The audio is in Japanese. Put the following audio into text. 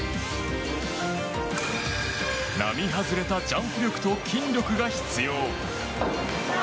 並外れたジャンプ力と筋力が必要。